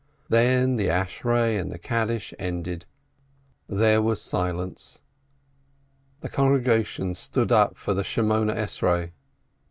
Then, the Ashre and the Kaddish ended, there was silence. The congregation stood up for the Eighteen Benedictions.